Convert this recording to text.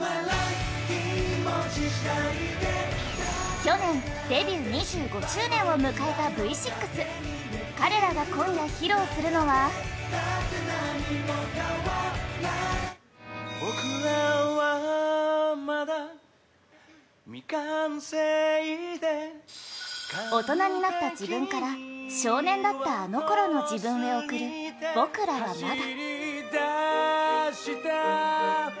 去年、デビュー２５周年を迎えたＶ６彼らが今夜、披露するのは大人になった自分から少年だったあのころの自分へ送る「僕らはまだ」